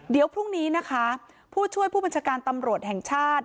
เดี๋ยวพรุ่งนี้นะคะผู้ช่วยผู้บัญชาการตำรวจแห่งชาติ